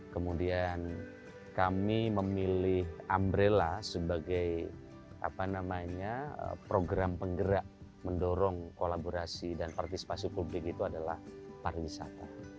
kemudian kami memilih ambrella sebagai program penggerak mendorong kolaborasi dan partisipasi publik itu adalah pariwisata